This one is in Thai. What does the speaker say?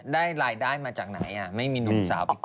รายได้มาจากไหนไม่มีหนุ่มสาวไปขอ